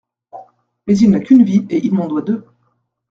Mais il n'a qu'une vie, et il m'en doit deux.